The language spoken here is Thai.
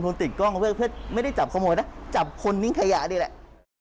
ใช่ลงทุนติดกล้องเพื่อไม่ได้จับขโมยนะจับคนทิ้งขยะนี่แหละ